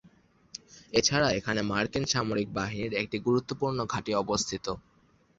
এছাড়া এখানে মার্কিন সামরিক বাহিনীর একটি গুরুত্বপূর্ণ ঘাঁটি অবস্থিত।